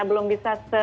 belum bisa seluas